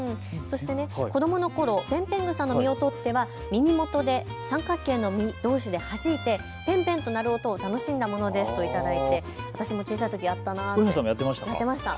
子どものころペンペングサの実を取っては耳元で三角形の実どうしではじいてペンペンと鳴る音を楽しんだものですと頂いていて私もやっていました。